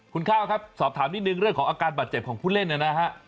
คุณข้าวครับสอบถามนิดนึงเรื่องของอาการบาดเจ็บของผู้เล่นนะฮะ